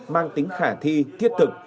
mang tính khả thi thiết tực